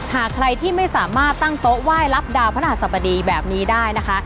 หากใครที่ไม่สามารถตั้งโต๊ะไหว้รับดาวพระหัสบดีแบบนี้ได้นะคะ